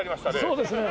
そうですね。